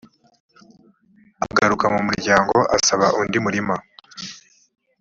agaruka mu muryango asaba undi murima